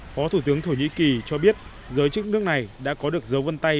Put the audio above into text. phó thủ tướng thổ nhĩ kỳ cho biết giới chức nước này đã có được dấu vân tay